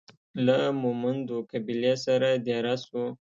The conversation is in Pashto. له مومندو قبیلې سره دېره سو.